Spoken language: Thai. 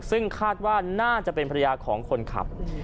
ซึ่งคาดว่าน่าจะเป็นภรรยาของคนขับ